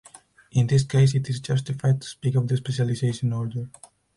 In this case it is justified to speak of the specialization order.